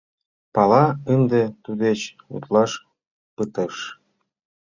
Пала: ынде туддеч утлаш пытыш.